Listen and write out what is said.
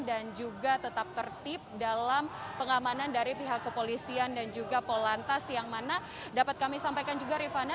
dan juga tetap tertib dalam pengamanan dari pihak kepolisian dan juga pol lantas yang mana dapat kami sampaikan juga rifatnya